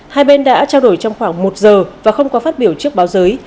hai bên đã trao đổi trong khoảng một giờ và không có phát biểu trước báo giới